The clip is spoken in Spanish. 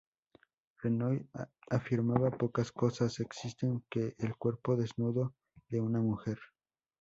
Renoir afirmaba "Pocas cosas existen que el cuerpo desnudo de una mujer.